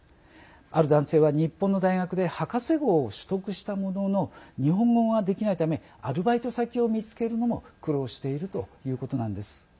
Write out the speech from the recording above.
ある男性は日本の大学で博士号を取得したものの日本語ができないためアルバイト先を見つけるのも苦労しているということなんです。